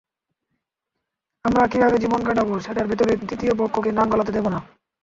আমরা কীভাবে জীবন কাটাব সেটার ভেতরে তৃতীয় পক্ষকে নাক গলাতে দেব না।